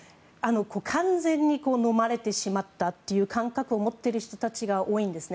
完全にのまれてしまったという感覚を持っている人たちが多いんですね。